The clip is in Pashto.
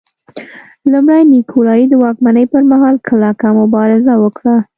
لومړي نیکولای د واکمنۍ پرمهال کلکه مبارزه وکړه.